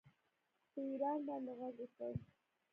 په ایران باندې غږ وکړ